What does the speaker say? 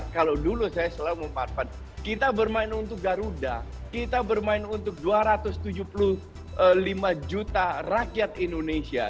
kalau dulu saya selalu memanfaatkan kita bermain untuk garuda kita bermain untuk dua ratus tujuh puluh lima juta rakyat indonesia